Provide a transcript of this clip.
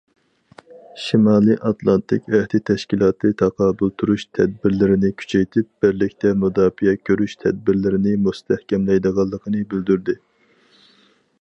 شىمالىي ئاتلانتىك ئەھدى تەشكىلاتى تاقابىل تۇرۇش تەدبىرلىرىنى كۈچەيتىپ، بىرلىكتە مۇداپىئە كۆرۈش تەدبىرلىرىنى مۇستەھكەملەيدىغانلىقىنى بىلدۈردى.